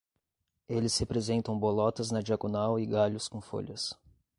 Eles representam bolotas na diagonal e galhos com folhas.